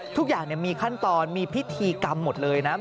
ทุกอย่างมีขั้นตอนมีพิธีกรรมหมดเลยนะ